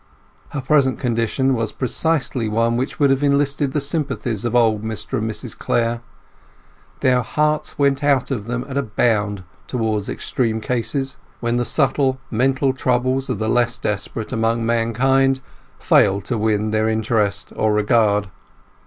Her present condition was precisely one which would have enlisted the sympathies of old Mr and Mrs Clare. Their hearts went out of them at a bound towards extreme cases, when the subtle mental troubles of the less desperate among mankind failed to win their interest or regard.